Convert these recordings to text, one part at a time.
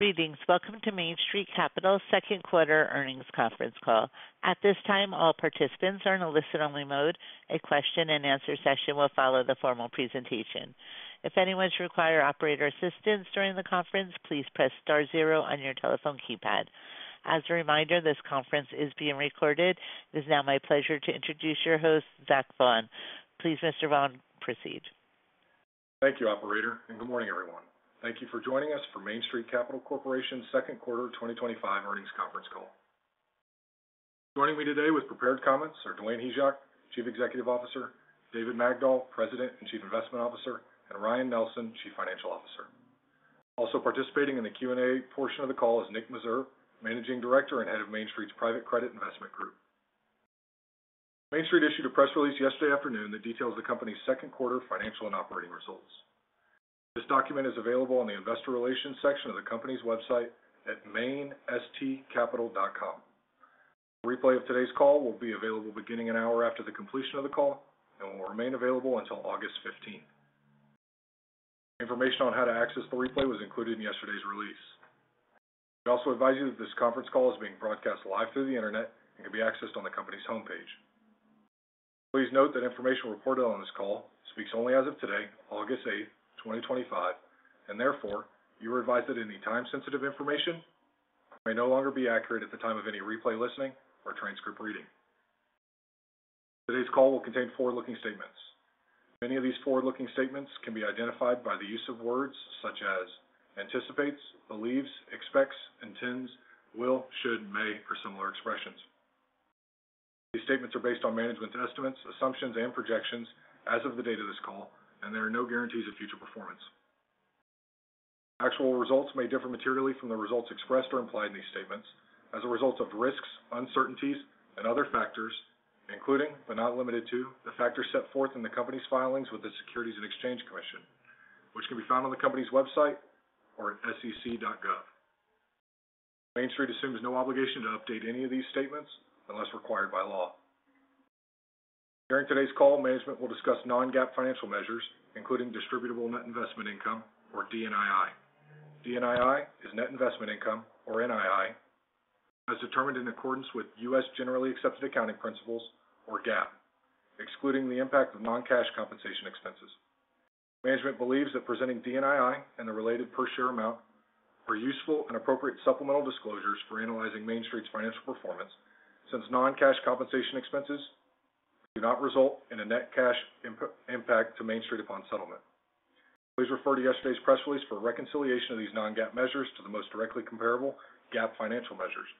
Greetings. Welcome to Main Street Capital's Second Quarter Earnings Conference Call. At this time, all participants are in a listen-only mode. A question-and-answer session will follow the formal presentation. If anyone should require operator assistance during the conference, please press star zero on your telephone keypad. As a reminder, this conference is being recorded. It is now my pleasure to introduce your host, Zach Vaughan. Please, Mr. Vaughan, proceed. Thank you, Operator, and good morning, everyone. Thank you for joining us for Main Street Capital Corporation's Second Quarter 2025 Earnings Conference Call. Joining me today with prepared comments are Dwayne Hyzak, Chief Executive Officer, David Magdol, President and Chief Investment Officer, and Ryan Nelson, Chief Financial Officer. Also participating in the Q&A portion of the call is Nick Meserve, Managing Director and Head of Main Street's Private Credit Investment Group. Main Street issued a press release yesterday afternoon that details the company's second quarter financial and operating results. This document is available in the Investor Relations section of the company's website at mainstcapital.com. A replay of today's call will be available beginning an hour after the completion of the call and will remain available until August 15. Information on how to access the replay was included in yesterday's release. We also advise you that this conference call is being broadcast live through the internet and can be accessed on the company's homepage. Please note that information reported on this call speaks only as of today, August 8, 2025, and therefore, you are advised that any time-sensitive information may no longer be accurate at the time of any replay listening or transcript reading. Today's call will contain forward-looking statements. Many of these forward-looking statements can be identified by the use of words such as anticipates, believes, expects, intends, will, should, may, or similar expressions. These statements are based on management's estimates, assumptions, and projections as of the date of this call, and there are no guarantees of future performance. Actual results may differ materially from the results expressed or implied in these statements as a result of risks, uncertainties, and other factors, including but not limited to the factors set forth in the company's filings with the Securities and Exchange Commission, which can be found on the company's website or at sec.gov. Main Street assumes no obligation to update any of these statements unless required by law. During today's call, management will discuss non-GAAP financial measures, including distributable net investment income, or DNII. DNII is net investment income, or NII, as determined in accordance with U.S. Generally Accepted Accounting Principles, or GAAP, excluding the impact of non-cash compensation expenses. Management believes that presenting DNII and the related per-share amount are useful and appropriate supplemental disclosures for analyzing Main Street's financial performance since non-cash compensation expenses do not result in a net cash impact to Main Street upon settlement. Please refer to yesterday's press release for reconciliation of these non-GAAP measures to the most directly comparable GAAP financial measures.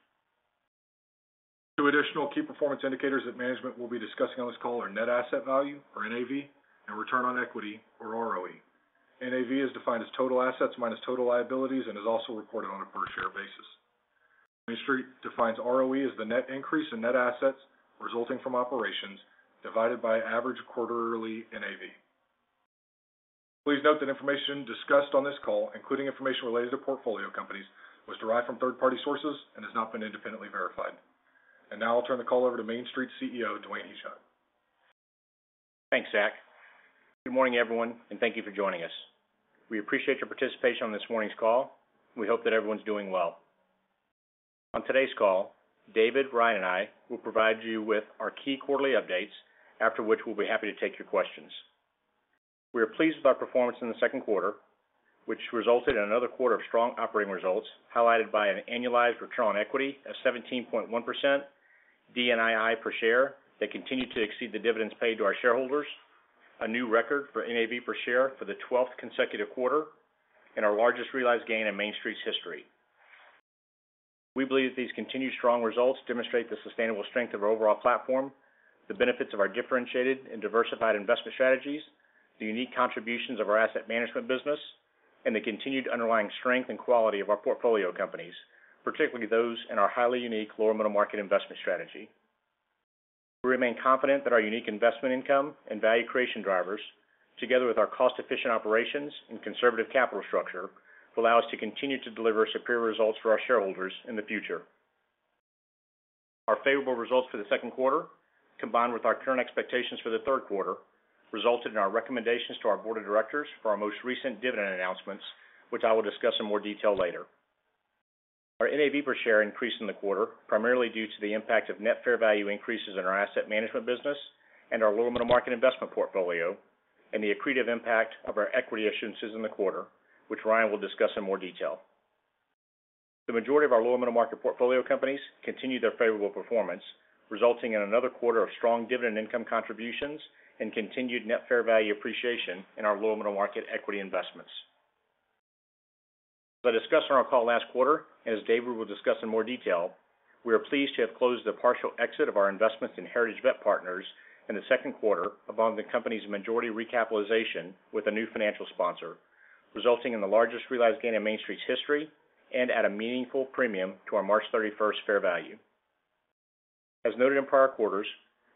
Two additional key performance indicators that management will be discussing on this call are net asset value, or NAV, and return on equity, or ROE. NAV is defined as total assets minus total liabilities and is also reported on a per-share basis. Main Street defines ROE as the net increase in net assets resulting from operations divided by average quarterly NAV. Please note that information discussed on this call, including information related to portfolio companies, was derived from third-party sources and has not been independently verified. Now I'll turn the call over to Main Street's CEO, Dwayne Hyzak. Thanks, Zach. Good morning, everyone, and thank you for joining us. We appreciate your participation on this morning's call. We hope that everyone's doing well. On today's call, David, Ryan, and I will provide you with our key quarterly updates, after which we'll be happy to take your questions. We are pleased with our performance in the second quarter, which resulted in another quarter of strong operating results highlighted by an annualized return on equity of 17.1%, DNII per share that continued to exceed the dividends paid to our shareholders, a new record for NAV per share for the 12th consecutive quarter, and our largest realized gain in Main Street's history. We believe that these continued strong results demonstrate the sustainable strength of our overall platform, the benefits of our differentiated and diversified investment strategies, the unique contributions of our asset management business, and the continued underlying strength and quality of our portfolio companies, particularly those in our highly unique lower middle market investment strategy. We remain confident that our unique investment income and value creation drivers, together with our cost-efficient operations and conservative capital structure, will allow us to continue to deliver superior results for our shareholders in the future. Our favorable results for the second quarter, combined with our current expectations for the third quarter, resulted in our recommendations to our board of directors for our most recent dividend announcements, which I will discuss in more detail later. Our NAV per share increased in the quarter primarily due to the impact of net fair value increases in our asset management business and our lower middle market investment portfolio, and the accretive impact of our equity issuances in the quarter, which Ryan will discuss in more detail. The majority of our lower middle market portfolio companies continued their favorable performance, resulting in another quarter of strong dividend income contributions and continued net fair value appreciation in our lower middle market equity investments. As I discussed on our call last quarter, and as David will discuss in more detail, we are pleased to have closed the partial exit of our investments in Heritage Vet Partners in the second quarter upon the company's majority recapitalization with a new financial sponsor, resulting in the largest realized gain in Main Street's history and at a meaningful premium to our March 31 fair value. As noted in prior quarters,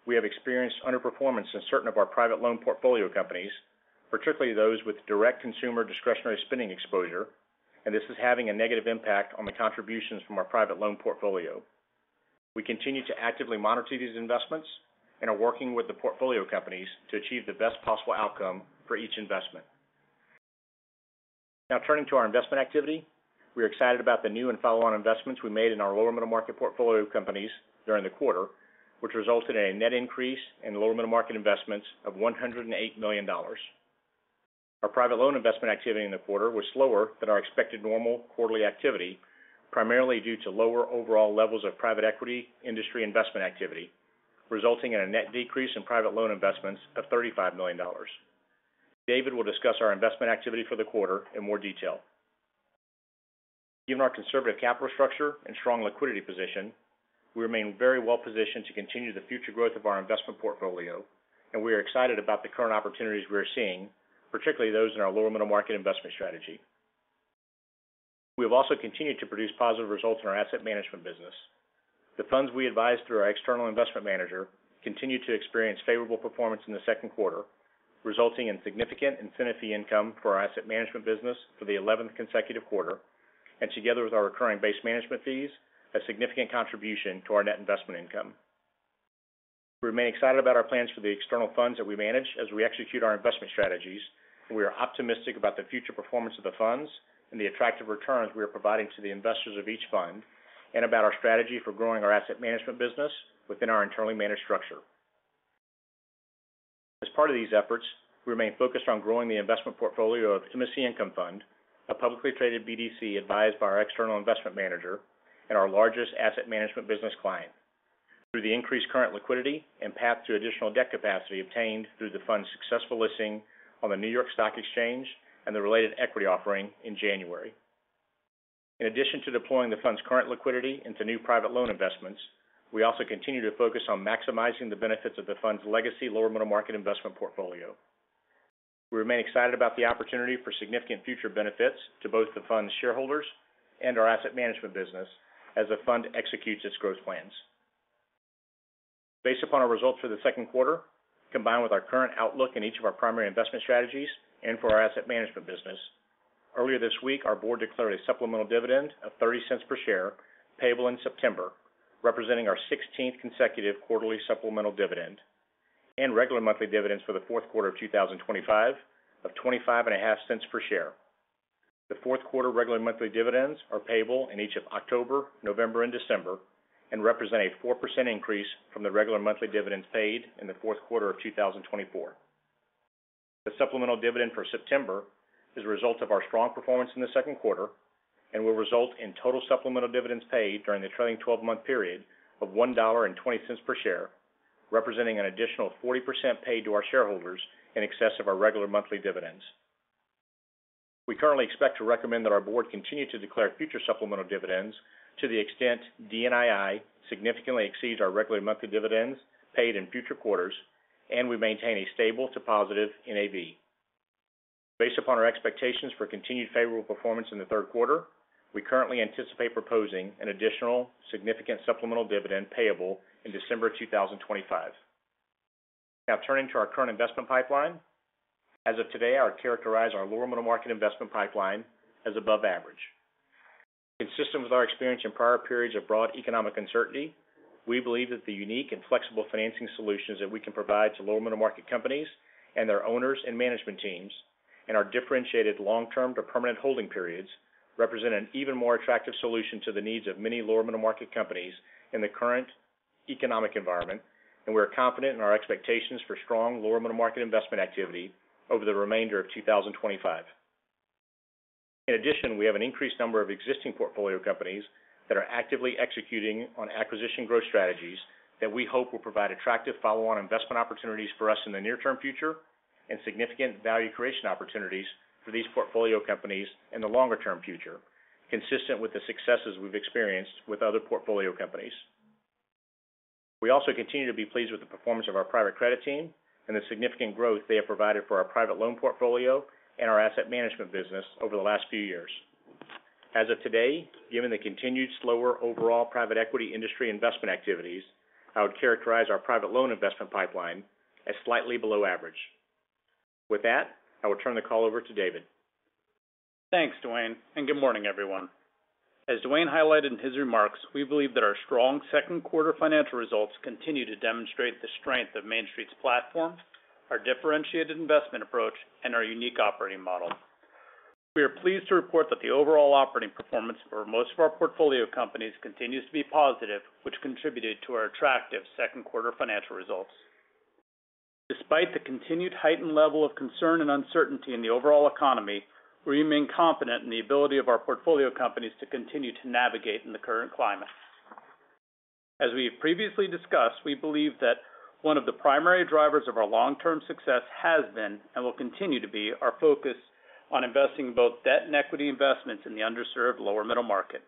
we have experienced underperformance in certain of our private loan portfolio companies, particularly those with direct consumer discretionary spending exposure, and this is having a negative impact on the contributions from our private loan portfolio. We continue to actively monitor these investments and are working with the portfolio companies to achieve the best possible outcome for each investment. Now turning to our investment activity, we are excited about the new and follow-on investments we made in our lower middle market portfolio companies during the quarter, which resulted in a net increase in lower middle market investments of $108 million. Our private loan investment activity in the quarter was slower than our expected normal quarterly activity, primarily due to lower overall levels of private equity industry investment activity, resulting in a net decrease in private loan investments of $35 million. David will discuss our investment activity for the quarter in more detail. Given our conservative capital structure and strong liquidity position, we remain very well positioned to continue the future growth of our investment portfolio, and we are excited about the current opportunities we are seeing, particularly those in our lower middle market investment strategy. We have also continued to produce positive results in our asset management business. The funds we advise through our external investment manager continue to experience favorable performance in the second quarter, resulting in significant incentive income for our asset management business for the 11th consecutive quarter, and together with our recurring base management fees, a significant contribution to our net investment income. We remain excited about our plans for the external funds that we manage as we execute our investment strategies, and we are optimistic about the future performance of the funds and the attractive returns we are providing to the investors of each fund, and about our strategy for growing our asset management business within our internally managed structure. As part of these efforts, we remain focused on growing the investment portfolio of Timothy Income Fund, a publicly traded BDC advised by our external investment manager and our largest asset management business client, through the increased current liquidity and path to additional debt capacity obtained through the fund's successful listing on the New York Stock Exchange and the related equity offering in January. In addition to deploying the fund's current liquidity into new private loan investments, we also continue to focus on maximizing the benefits of the fund's legacy lower middle market investment portfolio. We remain excited about the opportunity for significant future benefits to both the fund's shareholders and our asset management business as the fund executes its growth plans. Based upon our results for the second quarter, combined with our current outlook in each of our primary investment strategies and for our asset management business, earlier this week, our board declared a supplemental dividend of $0.30 per share, payable in September, representing our 16th consecutive quarterly supplemental dividend, and regular monthly dividends for the fourth quarter of 2025 of $0.255 per share. The fourth quarter regular monthly dividends are payable in each of October, November, and December, and represent a 4% increase from the regular monthly dividends paid in the fourth quarter of 2024. The supplemental dividend for September is a result of our strong performance in the second quarter and will result in total supplemental dividends paid during the trailing 12-month period of $1.20 per share, representing an additional 40% paid to our shareholders in excess of our regular monthly dividends. We currently expect to recommend that our board continue to declare future supplemental dividends to the extent DNII significantly exceeds our regular monthly dividends paid in future quarters, and we maintain a stable to positive NAV. Based upon our expectations for continued favorable performance in the third quarter, we currently anticipate proposing an additional significant supplemental dividend payable in December 2025. Now turning to our current investment pipeline, as of today, I would characterize our lower middle market investment pipeline as above average. Consistent with our experience in prior periods of broad economic uncertainty, we believe that the unique and flexible financing solutions that we can provide to lower middle market companies and their owners and management teams, and our differentiated long-term to permanent holding periods, represent an even more attractive solution to the needs of many lower middle market companies in the current economic environment. We are confident in our expectations for strong lower middle market investment activity over the remainder of 2025. In addition, we have an increased number of existing portfolio companies that are actively executing on acquisition growth strategies that we hope will provide attractive follow-on investment opportunities for us in the near-term future and significant value creation opportunities for these portfolio companies in the longer-term future, consistent with the successes we've experienced with other portfolio companies. We also continue to be pleased with the performance of our private credit team and the significant growth they have provided for our private loan portfolio and our asset management business over the last few years. As of today, given the continued slower overall private equity industry investment activities, I would characterize our private loan investment pipeline as slightly below average. With that, I will turn the call over to David. Thanks, Dwayne, and good morning, everyone. As Dwayne highlighted in his remarks, we believe that our strong second quarter financial results continue to demonstrate the strength of Main Street's platform, our differentiated investment approach, and our unique operating model. We are pleased to report that the overall operating performance for most of our portfolio companies continues to be positive, which contributed to our attractive second quarter financial results. Despite the continued heightened level of concern and uncertainty in the overall economy, we remain confident in the ability of our portfolio companies to continue to navigate in the current climate. As we have previously discussed, we believe that one of the primary drivers of our long-term success has been and will continue to be our focus on investing in both debt and equity investments in the underserved lower middle market.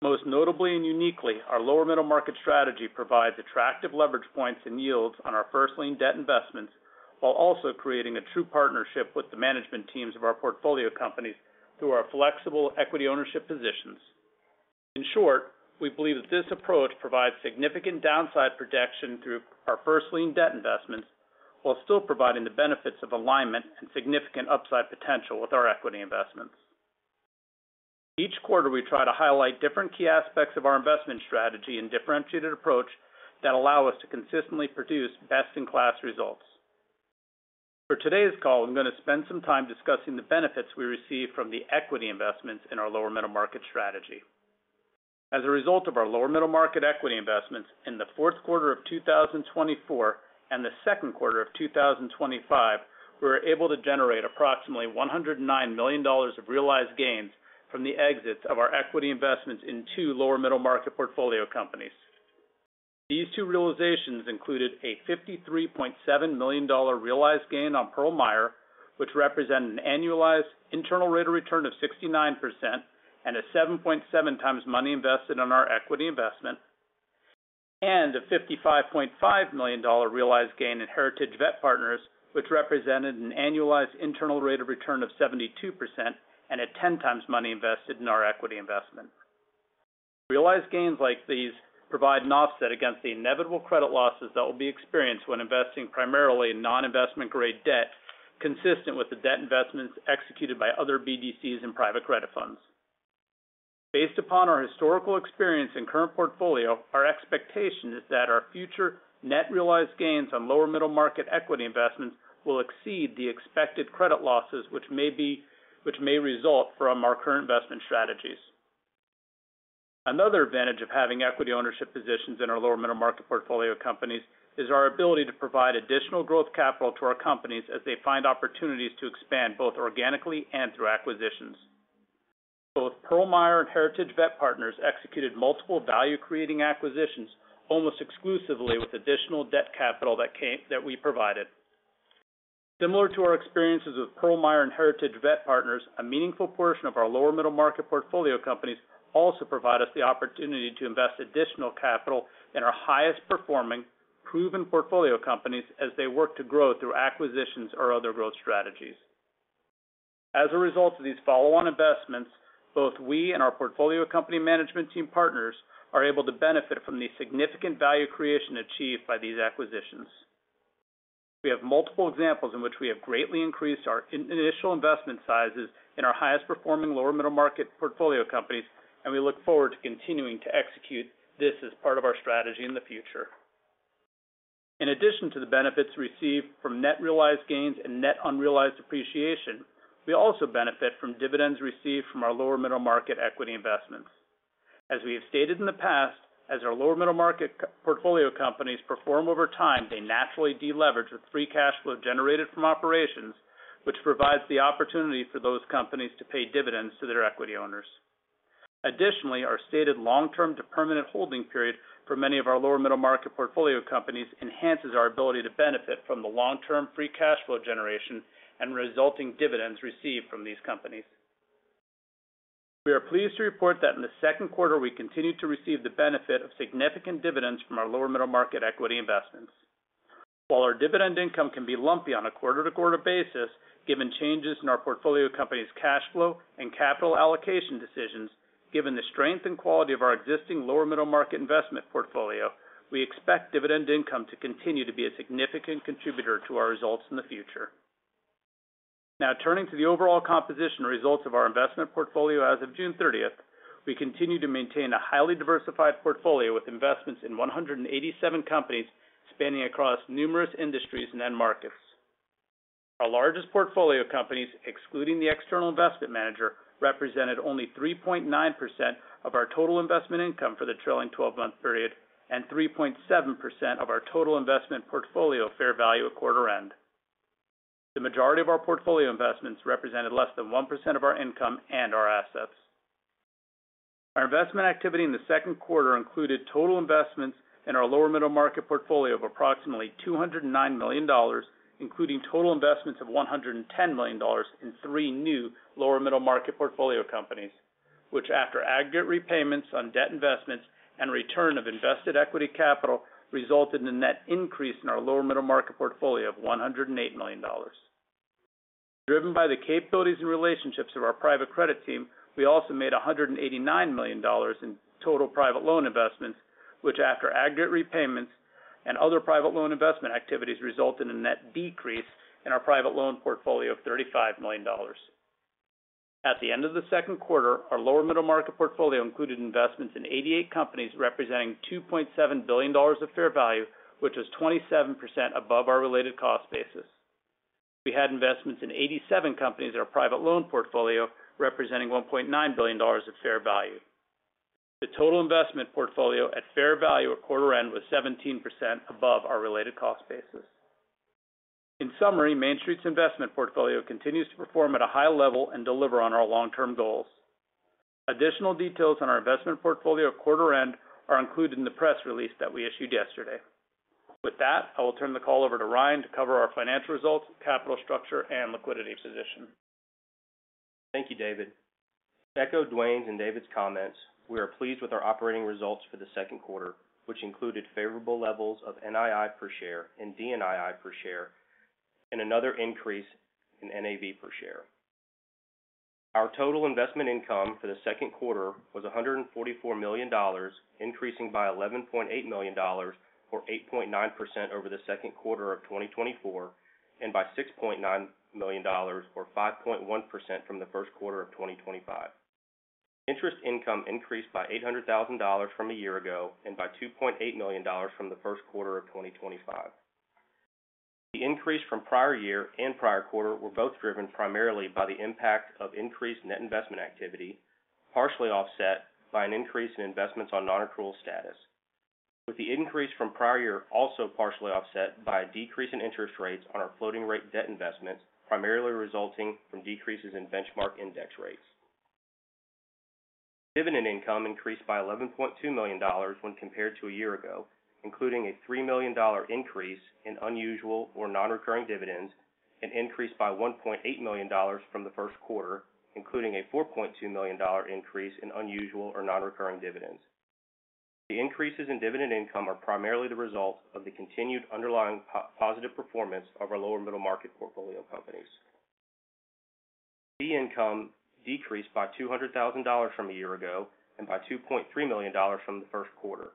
Most notably and uniquely, our lower middle market strategy provides attractive leverage points and yields on our first-lien debt investments while also creating a true partnership with the management teams of our portfolio companies through our flexible equity ownership positions. In short, we believe that this approach provides significant downside protection through our first-lien debt investments while still providing the benefits of alignment and significant upside potential with our equity investments. Each quarter, we try to highlight different key aspects of our investment strategy and differentiated approach that allow us to consistently produce best-in-class results. For today's call, I'm going to spend some time discussing the benefits we receive from the equity investments in our lower middle market strategy. As a result of our lower middle market equity investments in the fourth quarter of 2024 and the second quarter of 2025, we were able to generate approximately $109 million of realized gains from the exits of our equity investments in two lower middle market portfolio companies. These two realizations included a $53.7 million realized gain on Pearl Meyer, which represented an annualized internal rate of return of 69% and a 7.7x money invested in our equity investment, and a $55.5 million realized gain in Heritage Vet Partners, which represented an annualized internal rate of return of 72% and a 10x money invested in our equity investment. Realized gains like these provide an offset against the inevitable credit losses that will be experienced when investing primarily in non-investment-grade debt, consistent with the debt investments executed by other BDCs and private credit funds. Based upon our historical experience and current portfolio, our expectation is that our future net realized gains on lower middle market equity investments will exceed the expected credit losses, which may result from our current investment strategies. Another advantage of having equity ownership positions in our lower middle market portfolio companies is our ability to provide additional growth capital to our companies as they find opportunities to expand both organically and through acquisitions. Both Pearl Meyer and Heritage Vet Partners executed multiple value-creating acquisitions almost exclusively with additional debt capital that we provided. Similar to our experiences with Pearl Meyer and Heritage Vet Partners, a meaningful portion of our lower middle market portfolio companies also provide us the opportunity to invest additional capital in our highest-performing, proven portfolio companies as they work to grow through acquisitions or other growth strategies. As a result of these follow-on investments, both we and our portfolio company management team partners are able to benefit from the significant value creation achieved by these acquisitions. We have multiple examples in which we have greatly increased our initial investment sizes in our highest-performing lower middle market portfolio companies, and we look forward to continuing to execute this as part of our strategy in the future. In addition to the benefits received from net realized gains and net unrealized appreciation, we also benefit from dividends received from our lower middle market equity investments. As we have stated in the past, as our lower middle market portfolio companies perform over time, they naturally deleverage with free cash flow generated from operations, which provides the opportunity for those companies to pay dividends to their equity owners. Additionally, our stated long-term to permanent holding period for many of our lower middle market portfolio companies enhances our ability to benefit from the long-term free cash flow generation and resulting dividends received from these companies. We are pleased to report that in the second quarter, we continue to receive the benefit of significant dividends from our lower middle market equity investments. While our dividend income can be lumpy on a quarter-to-quarter basis, given changes in our portfolio company's cash flow and capital allocation decisions, given the strength and quality of our existing lower middle market investment portfolio, we expect dividend income to continue to be a significant contributor to our results in the future. Now turning to the overall composition and results of our investment portfolio as of June 30, we continue to maintain a highly diversified portfolio with investments in 187 companies spanning across numerous industries and markets. Our largest portfolio companies, excluding the external investment manager, represented only 3.9% of our total investment income for the trailing 12-month period and 3.7% of our total investment portfolio fair value at quarter end. The majority of our portfolio investments represented less than 1% of our income and our assets. Our investment activity in the second quarter included total investments in our lower middle market portfolio of approximately $209 million, including total investments of $110 million in three new lower middle market portfolio companies, which, after aggregate repayments on debt investments and return of invested equity capital, resulted in a net increase in our lower middle market portfolio of $108 million. Driven by the capabilities and relationships of our private credit team, we also made $189 million in total private loan investments, which, after aggregate repayments and other private loan investment activities, resulted in a net decrease in our private loan portfolio of $35 million. At the end of the second quarter, our lower middle market portfolio included investments in 88 companies representing $2.7 billion of fair value, which was 27% above our related cost basis. We had investments in 87 companies in our private loan portfolio representing $1.9 billion of fair value. The total investment portfolio at fair value at quarter end was 17% above our related cost basis. In summary, Main Street's investment portfolio continues to perform at a high level and deliver on our long-term goals. Additional details on our investment portfolio at quarter end are included in the press release that we issued yesterday. With that, I will turn the call over to Ryan to cover our financial results, capital structure, and liquidity position. Thank you, David. To echo Dwayne's and David's comments, we are pleased with our operating results for the second quarter, which included favorable levels of NII per share and DNII per share and another increase in NAV per share. Our total investment income for the second quarter was $144 million, increasing by $11.8 million, or 8.9% over the second quarter of 2024, and by $6.9 million, or 5.1% from the first quarter of 2025. Interest income increased by $800,000 from a year ago and by $2.8 million from the first quarter of 2025. The increase from prior year and prior quarter were both driven primarily by the impact of increased net investment activity, partially offset by an increase in investments on non-accrual status, with the increase from prior year also partially offset by a decrease in interest rates on our floating rate debt investments, primarily resulting from decreases in benchmark index rates. Dividend income increased by $11.2 million when compared to a year ago, including a $3 million increase in unusual or non-recurring dividends, and increased by $1.8 million from the first quarter, including a $4.2 million increase in unusual or non-recurring dividends. The increases in dividend income are primarily the result of the continued underlying positive performance of our lower middle market portfolio companies. Fee income decreased by $200,000 from a year ago and by $2.3 million from the first quarter.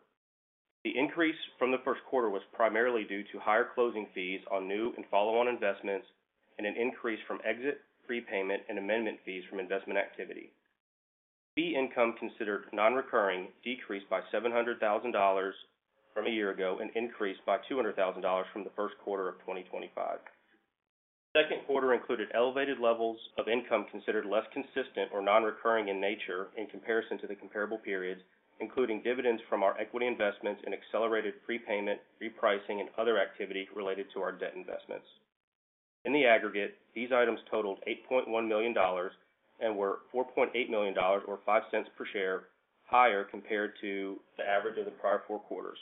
The increase from the first quarter was primarily due to higher closing fees on new and follow-on investments and an increase from exit, prepayment, and amendment fees from investment activity. Fee income considered non-recurring decreased by $700,000 from a year ago and increased by $200,000 from the first quarter of 2025. The second quarter included elevated levels of income considered less consistent or non-recurring in nature in comparison to the comparable periods, including dividends from our equity investments and accelerated prepayment, repricing, and other activity related to our debt investments. In the aggregate, these items totaled $8.1 million and were $4.8 million, or $0.05 per share, higher compared to the average of the prior four quarters,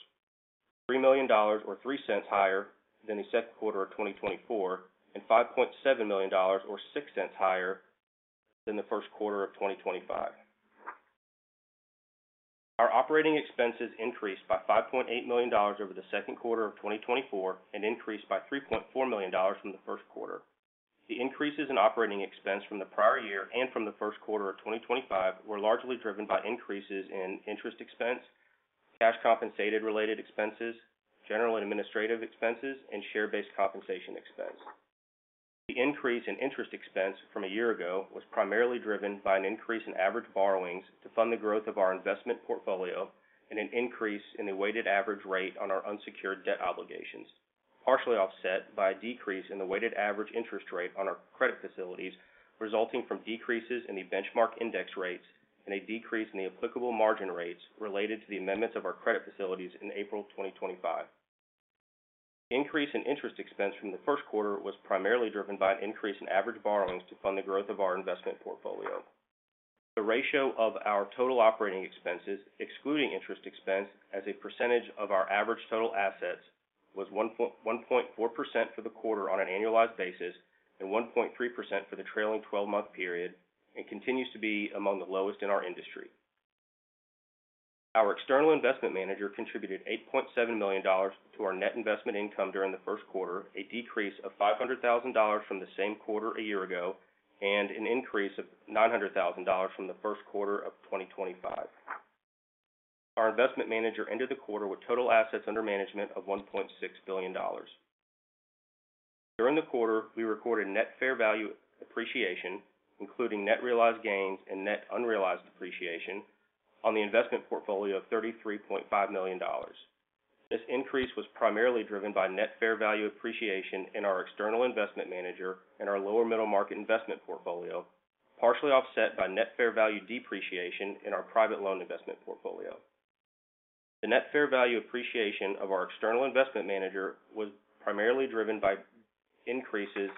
$3 million, or $0.03 higher than the second quarter of 2024, and $5.7 million, or $0.06 higher than the first quarter of 2025. Our operating expenses increased by $5.8 million over the second quarter of 2024 and increased by $3.4 million from the first quarter. The increases in operating expense from the prior year and from the first quarter of 2025 were largely driven by increases in interest expense, cash compensated related expenses, general administrative expenses, and share-based compensation expense. The increase in interest expense from a year ago was primarily driven by an increase in average borrowings to fund the growth of our investment portfolio and an increase in the weighted average rate on our unsecured debt obligations, partially offset by a decrease in the weighted average interest rate on our credit facilities, resulting from decreases in the benchmark index rates and a decrease in the applicable margin rates related to the amendments of our credit facilities in April 2025. The increase in interest expense from the first quarter was primarily driven by an increase in average borrowings to fund the growth of our investment portfolio. The ratio of our total operating expenses, excluding interest expense, as a percentage of our average total assets was 1.4% for the quarter on an annualized basis and 1.3% for the trailing 12-month period and continues to be among the lowest in our industry. Our external investment manager contributed $8.7 million to our net investment income during the first quarter, a decrease of $0.5 million from the same quarter a year ago, and an increase of $0.9 million from the first quarter of 2025. Our investment manager ended the quarter with total assets under management of $1.6 billion. During the quarter, we recorded net fair value appreciation, including net realized gains and net unrealized appreciation, on the investment portfolio of $33.5 million. This increase was primarily driven by net fair value appreciation in our external investment manager and our lower middle market investment portfolio, partially offset by net fair value depreciation in our private loan investment portfolio. The net fair value appreciation of our external investment manager was primarily driven by increases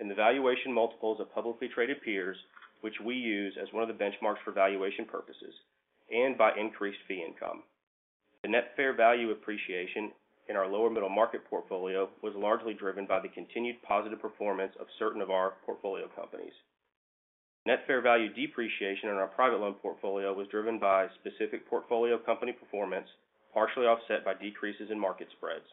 in the valuation multiples of publicly traded peers, which we use as one of the benchmarks for valuation purposes, and by increased fee income. The net fair value appreciation in our lower middle market portfolio was largely driven by the continued positive performance of certain of our portfolio companies. Net fair value depreciation in our private loan portfolio was driven by specific portfolio company performance, partially offset by decreases in market spreads.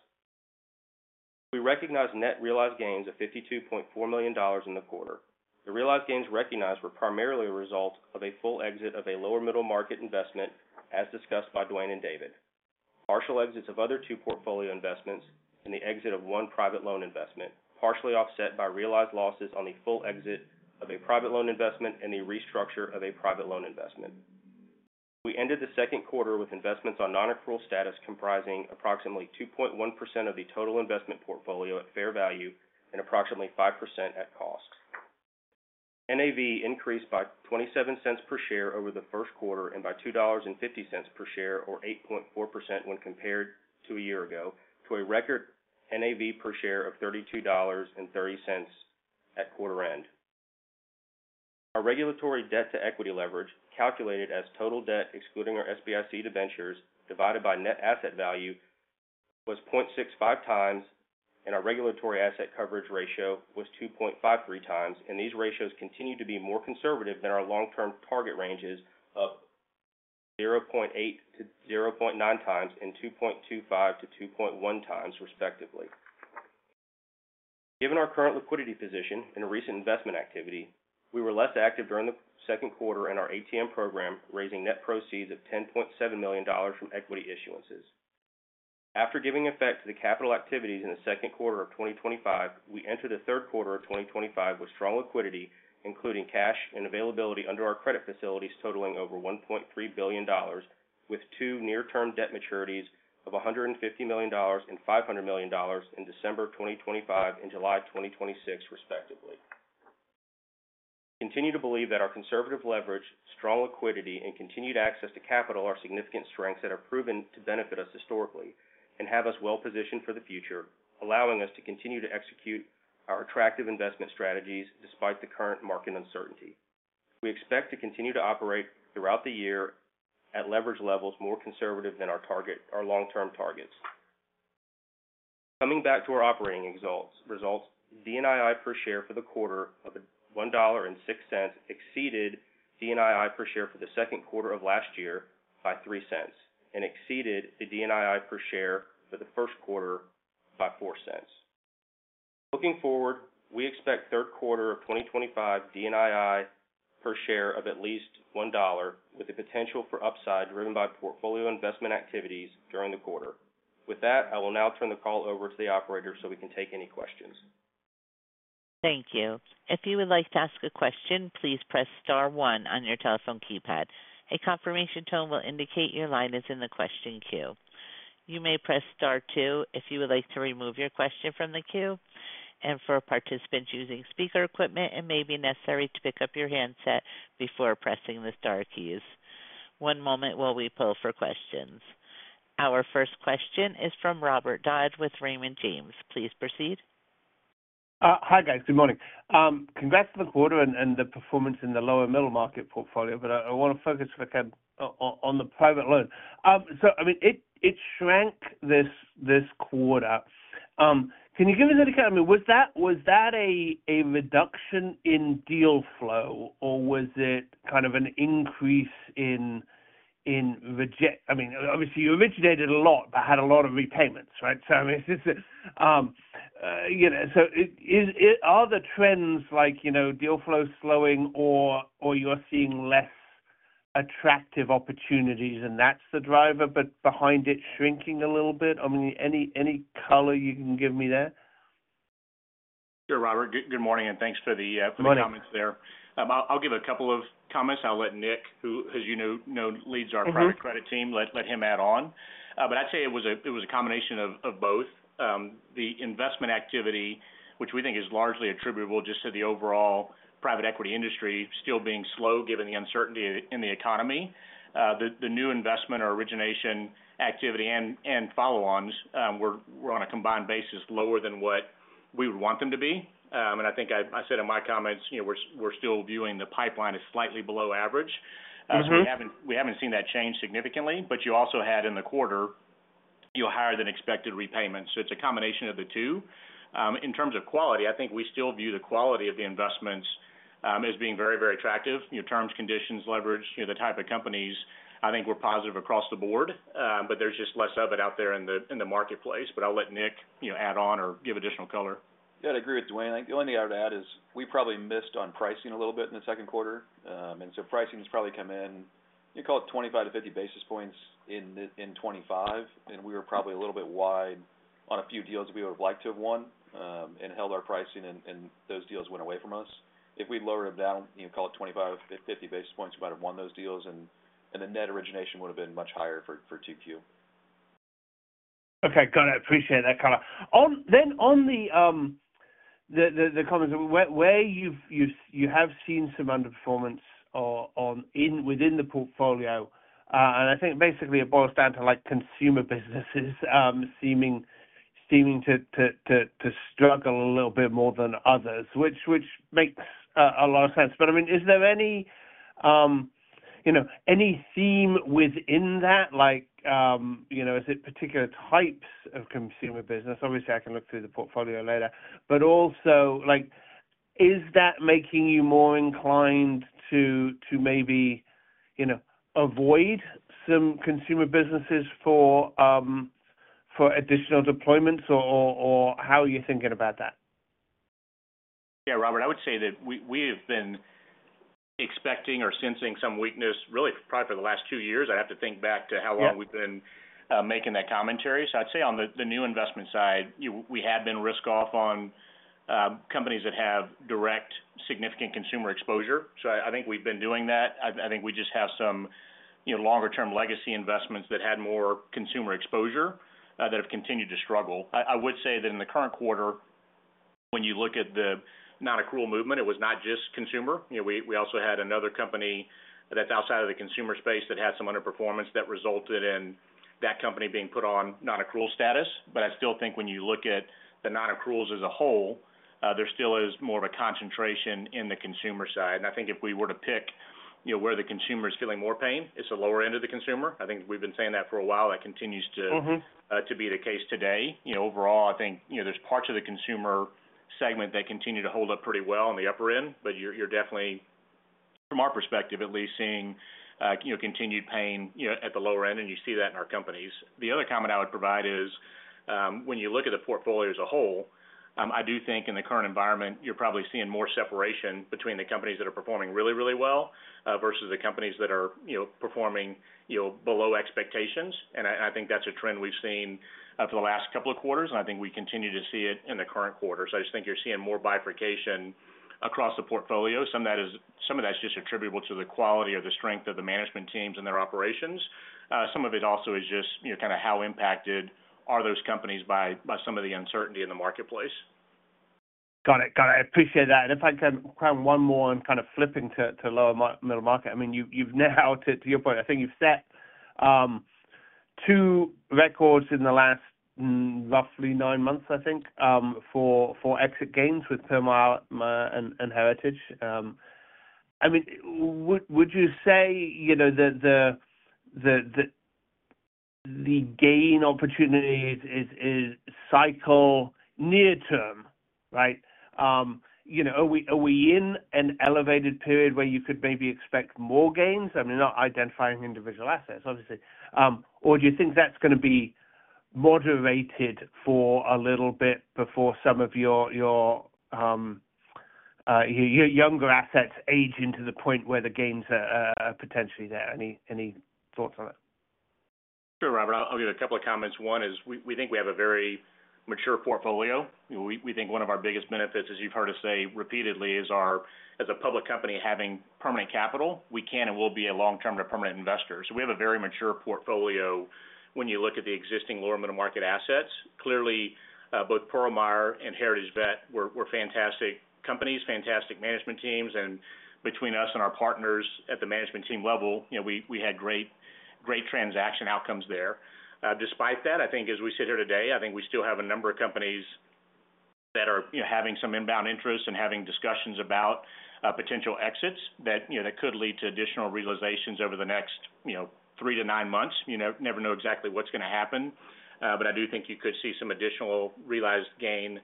We recognize net realized gains of $52.4 million in the quarter. The realized gains recognized were primarily a result of a full exit of a lower middle market investment, as discussed by Dwayne and David, partial exits of other two portfolio investments, and the exit of one private loan investment, partially offset by realized losses on the full exit of a private loan investment and the restructure of a private loan investment. We ended the second quarter with investments on non-accrual status comprising approximately 2.1% of the total investment portfolio at fair value and approximately 5% at cost. NAV increased by $0.27 per share over the first quarter and by $2.50 per share, or 8.4% when compared to a year ago, to a record NAV per share of $32.30 at quarter end. Our regulatory debt-to-equity leverage, calculated as total debt excluding our SBIC ventures, divided by net asset value, was 0.65x, and our regulatory asset coverage ratio was 2.53x, and these ratios continue to be more conservative than our long-term target ranges of 0.8x-0.9x and 2.25x-2.1x, respectively. Given our current liquidity position and recent investment activity, we were less active during the second quarter in our ATM program, raising net proceeds of $10.7 million from equity issuances. After giving effect to the capital activities in the second quarter of 2025, we entered the third quarter of 2025 with strong liquidity, including cash and availability under our credit facilities totaling over $1.3 billion, with two near-term debt maturities of $150 million and $500 million in December of 2025 and July 2026, respectively. We continue to believe that our conservative leverage, strong liquidity, and continued access to capital are significant strengths that have proven to benefit us historically and have us well positioned for the future, allowing us to continue to execute our attractive investment strategies despite the current market uncertainty. We expect to continue to operate throughout the year at leverage levels more conservative than our long-term targets. Coming back to our operating results, DNII per share for the quarter of $1.06 exceeded DNII per share for the second quarter of last year by $0.03 and exceeded the DNII per share for the first quarter by $0.04. Looking forward, we expect third quarter of 2025 DNII per share of at least $1, with the potential for upside driven by portfolio investment activities during the quarter. With that, I will now turn the call over to the operator so we can take any questions. Thank you. If you would like to ask a question, please press star one on your telephone keypad. A confirmation tone will indicate your line is in the question queue. You may press star two if you would like to remove your question from the queue, and for participants using speaker equipment, it may be necessary to pick up your handset before pressing the star keys. One moment while we pull for questions. Our first question is from Robert Dodd with Raymond James. Please proceed. Hi, guys. Good morning. Congrats to the quarter and the performance in the lower middle market portfolio. I want to focus again on the private loan. It shrank this quarter. Can you give us an account? Was that a reduction in deal flow, or was it kind of an increase in reject? Obviously, you originated a lot, but had a lot of repayments, right? Are the trends like deal flow slowing or you're seeing less attractive opportunities and that's the driver behind it shrinking a little bit? Any color you can give me there? Sure, Robert. Good morning and thanks for the comments there. I'll give a couple of comments. I'll let Nick, who, as you know, leads our private credit team, let him add on. I'd say it was a combination of both. The investment activity, which we think is largely attributable just to the overall private equity industry still being slow given the uncertainty in the economy, the new investment or origination activity and follow-ons were on a combined basis lower than what we would want them to be. I think I said in my comments, you know, we're still viewing the pipeline as slightly below average. We haven't seen that change significantly, but you also had in the quarter, you know, higher than expected repayments. It's a combination of the two. In terms of quality, I think we still view the quality of the investments as being very, very attractive. Terms, conditions, leverage, the type of companies, I think we're positive across the board, but there's just less of it out there in the marketplace. I'll let Nick, you know, add on or give additional color. Yeah, I'd agree with Dwayne. The only thing I would add is we probably missed on pricing a little bit in the second quarter. Pricing's probably come in, you know, call it 25-50 basis points in 2025, and we were probably a little bit wide on a few deals that we would have liked to have won and held our pricing and those deals went away from us. If we'd lowered them down, you know, call it 25-50 basis points, we might have won those deals and the net origination would have been much higher for Q2. Okay, got it. Appreciate that comment. On the comments where you have seen some underperformance within the portfolio, I think basically it boils down to consumer businesses seeming to struggle a little bit more than others, which makes a lot of sense. Is there any theme within that? Is it particular types of consumer business? Obviously, I can look through the portfolio later, but also, is that making you more inclined to maybe avoid some consumer businesses for additional deployments, or how are you thinking about that? Yeah, Robert, I would say that we have been expecting or sensing some weakness really probably for the last two years. I'd have to think back to how long we've been making that commentary. I'd say on the new investment side, we had been risk-off on companies that have direct significant consumer exposure. I think we've been doing that. I think we just have some longer-term legacy investments that had more consumer exposure that have continued to struggle. I would say that in the current quarter, when you look at the non-accrual movement, it was not just consumer. We also had another company that's outside of the consumer space that had some underperformance that resulted in that company being put on non-accrual status. I still think when you look at the non-accruals as a whole, there still is more of a concentration in the consumer side. I think if we were to pick where the consumer is feeling more pain, it's the lower end of the consumer. I think we've been saying that for a while. That continues to be the case today. Overall, I think there's parts of the consumer segment that continue to hold up pretty well on the upper end, but you're definitely, from our perspective at least, seeing continued pain at the lower end. You see that in our companies. The other comment I would provide is, when you look at the portfolio as a whole, I do think in the current environment, you're probably seeing more separation between the companies that are performing really, really well versus the companies that are performing below expectations. I think that's a trend we've seen for the last couple of quarters, and I think we continue to see it in the current quarter. I just think you're seeing more bifurcation across the portfolio. Some of that is just attributable to the quality or the strength of the management teams and their operations. Some of it also is just how impacted are those companies by some of the uncertainty in the marketplace. Got it. I appreciate that. If I can cram one more on, kind of flipping to lower middle market, I mean, you've now, to your point, I think you've set two records in the last roughly nine months, I think, for exit gains with Pearl Meyer and Heritage Vet Partners. Would you say the gain opportunity is cycle near-term, right? Are we in an elevated period where you could maybe expect more gains? I mean, not identifying individual assets, obviously. Do you think that's going to be moderated for a little bit before some of your younger assets age into the point where the gains are potentially there? Any thoughts on that? Sure, Robert. I'll give a couple of comments. One is we think we have a very mature portfolio. We think one of our biggest benefits, as you've heard us say repeatedly, is our, as a public company having permanent capital, we can and will be a long-term to permanent investor. We have a very mature portfolio when you look at the existing lower middle market assets. Clearly, both Pearl Meyer and Heritage Vet Partners were fantastic companies, fantastic management teams, and between us and our partners at the management team level, we had great, great transaction outcomes there. Despite that, as we sit here today, I think we still have a number of companies that are having some inbound interest and having discussions about potential exits that could lead to additional realizations over the next three to nine months. You never know exactly what's going to happen, but I do think you could see some additional realized gain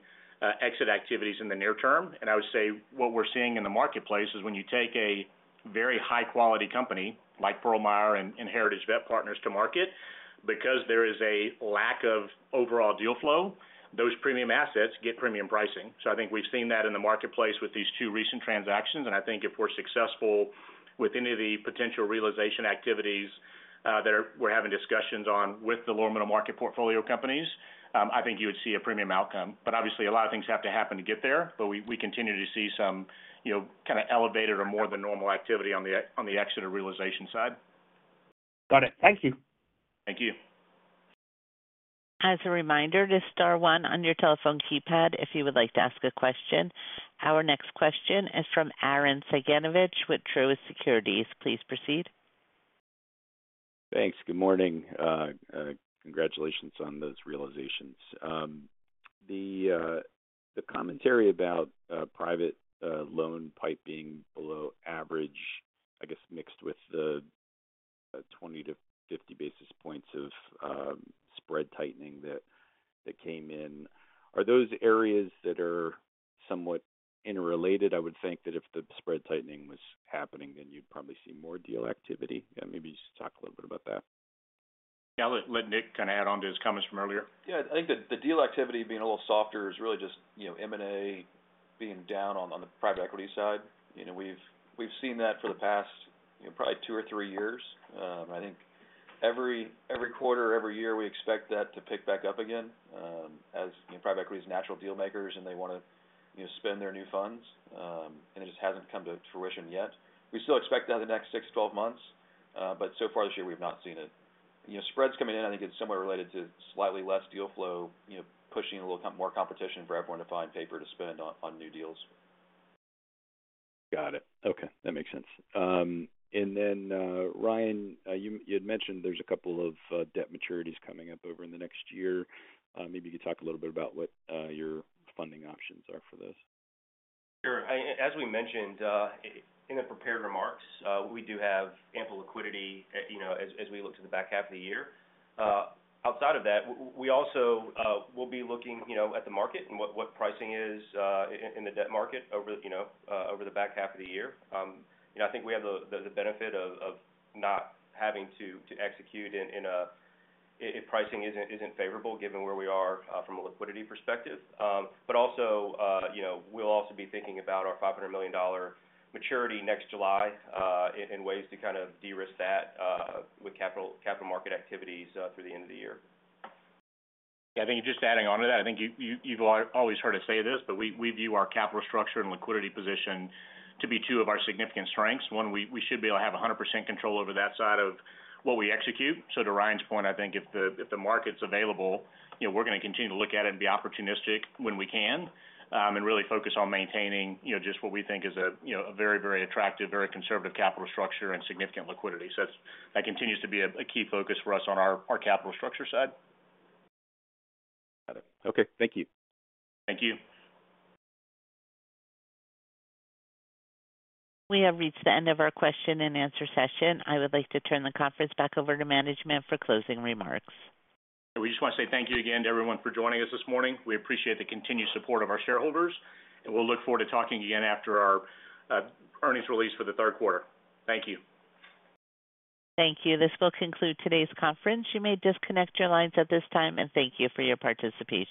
exit activities in the near term. I would say what we're seeing in the marketplace is when you take a very high-quality company like Pearl Meyer and Heritage Vet Partners to market, because there is a lack of overall deal flow, those premium assets get premium pricing. I think we've seen that in the marketplace with these two recent transactions. If we're successful with any of the potential realization activities that we're having discussions on with the lower middle market portfolio companies, I think you would see a premium outcome. Obviously, a lot of things have to happen to get there, but we continue to see some kind of elevated or more than normal activity on the exit and realization side. Got it. Thank you. Thank you. As a reminder, just star one on your telephone keypad if you would like to ask a question. Our next question is from Aaron Saganovich with Truist Securities. Please proceed. Thanks. Good morning. Congratulations on those realizations. The commentary about private loan piping below average, I guess mixed with the 20-50 basis points of spread tightening that came in, are those areas that are somewhat interrelated? I would think that if the spread tightening was happening, then you'd probably see more deal activity. Maybe you just talk a little bit about that. Yeah, I'll let Nick kind of add on to his comments from earlier. I think the deal activity being a little softer is really just, you know, M&A being down on the private equity side. We've seen that for the past, you know, probably two or three years. I think every quarter, every year, we expect that to pick back up again as, you know, private equity is natural dealmakers and they want to, you know, spend their new funds. It just hasn't come to fruition yet. We still expect that in the next 6 to 12 months, but so far this year, we've not seen it. Spreads coming in, I think it's somewhat related to slightly less deal flow, pushing a little more competition for everyone to find paper to spend on new deals. Got it. Okay, that makes sense. Ryan, you had mentioned there's a couple of debt maturities coming up over the next year. Maybe you could talk a little bit about what your funding options are for those. As we mentioned in the prepared remarks, we do have ample liquidity as we look to the back half of the year. Outside of that, we also will be looking at the market and what pricing is in the debt market over the back half of the year. I think we have the benefit of not having to execute if pricing isn't favorable, given where we are from a liquidity perspective. We will also be thinking about our $500 million maturity next July and ways to kind of de-risk that with capital market activities through the end of the year. Yeah, I think just adding on to that, I think you've always heard us say this, but we view our capital structure and liquidity position to be two of our significant strengths. One, we should be able to have 100% control over that side of what we execute. To Ryan's point, I think if the market's available, you know, we're going to continue to look at it and be opportunistic when we can and really focus on maintaining, you know, just what we think is a very, very attractive, very conservative capital structure and significant liquidity. That continues to be a key focus for us on our capital structure side. Got it. Okay, thank you. Thank you. We have reached the end of our question-and-answer session. I would like to turn the conference back over to management for closing remarks. We just want to say thank you again to everyone for joining us this morning. We appreciate the continued support of our shareholders, and we look forward to talking again after our earnings release for the third quarter. Thank you. Thank you. This will conclude today's conference. You may disconnect your lines at this time, and thank you for your participation.